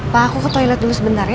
pak aku ke toilet dulu sebentar ya